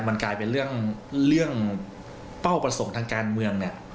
มันกลายเป็นเรื่องเป้าประสงค์ทางการเมืองเนี่ย